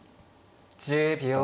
１０秒。